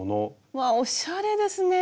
うわおしゃれですね。